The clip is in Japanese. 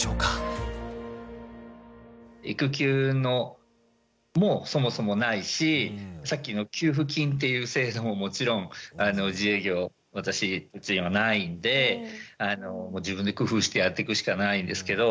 育休もそもそもないしさっきの給付金っていう制度ももちろん自営業私のうちにはないんで自分で工夫してやっていくしかないんですけど。